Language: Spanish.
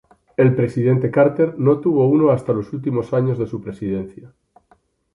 El presidente Carter no tuvo uno hasta los últimos años de su Presidencia.